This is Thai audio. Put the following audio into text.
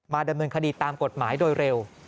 ดำเนินคดีตามกฎหมายโดยเร็ว